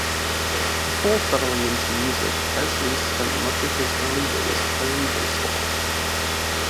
Before settling into music, Eisley spent much of his early days playing baseball.